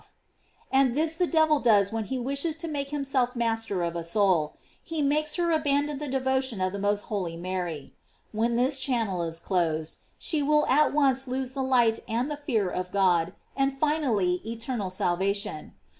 "f And this the devil does when he wishes to make himself master of a soul, ho makes her abandon the devotion to the most holy Mary. When this channel is closed, she will at once lose the light and the fear of God, and finally eternal salvation.